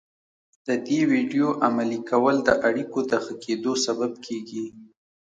د دې ويډيو عملي کول د اړيکو د ښه کېدو سبب کېږي.